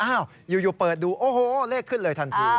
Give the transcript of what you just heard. อยู่เปิดดูโอ้โหเลขขึ้นเลยทันที